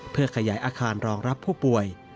เพื่อขยายอาคารรองรับผู้ป่วย